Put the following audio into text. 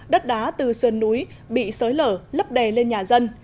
đất đá từ sơn núi bị sới lở lấp đè lên nhà dân